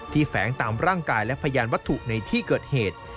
แฝงตามร่างกายและพยานวัตถุในที่เกิดเหตุ